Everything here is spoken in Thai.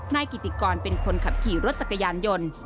นายกิติกรเป็นคนขับขี่รถจักรยานยนต์